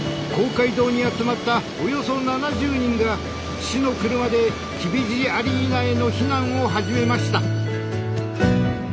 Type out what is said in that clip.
公会堂に集まったおよそ７０人が市の車できびじアリーナへの避難を始めました。